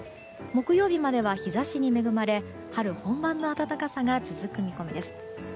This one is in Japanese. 木曜日までは日差しに恵まれ春本番の暖かさが続く見込みです。